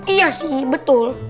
iya sih betul